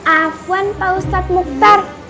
afwan pak ustadz mukhtar